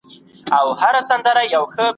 ښځو ته د دین رسول د نارینه دنده ده.